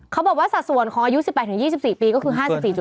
เขาบอกว่าสัดส่วนของอายุ๑๘๒๔ปีก็คือ๕๔